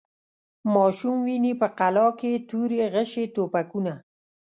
ماشوم ویني په قلا کي توري، غشي، توپکونه